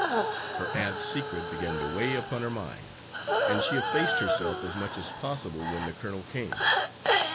Her aunt's secret began to weigh upon her mind, and she effaced herself as much as possible when the colonel came.